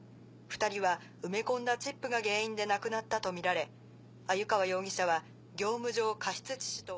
２人は埋め込んだチップが原因で亡くなったとみられ鮎川容疑者は業務上過失致死と。